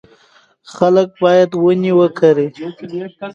خلک باید ونې وکري.